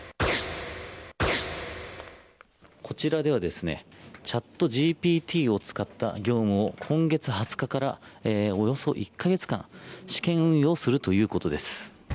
こちらではチャットＧＰＴを使った業務を今月２０日から、およそ１カ月間試験運用するということです。